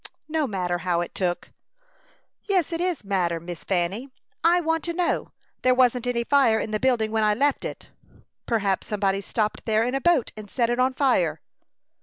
"No matter how it took." "Yes, it is matter, Miss Fanny. I want to know. There wasn't any fire in the building when I left it." "Perhaps somebody stopped there in a boat, and set it on fire."